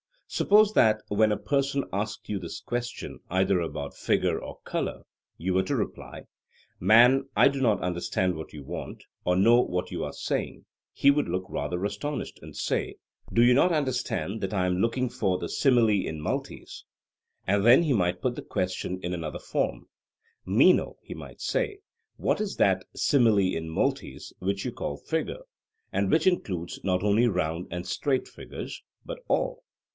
Suppose that when a person asked you this question either about figure or colour, you were to reply, Man, I do not understand what you want, or know what you are saying; he would look rather astonished and say: Do you not understand that I am looking for the 'simile in multis'? And then he might put the question in another form: Meno, he might say, what is that 'simile in multis' which you call figure, and which includes not only round and straight figures, but all?